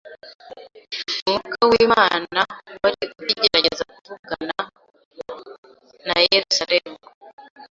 Umwuka w'Imana wari ukigerageza kuvugana na Yerusalemu